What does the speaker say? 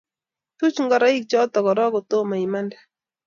Tuch ngoroik choto korook kotomo imande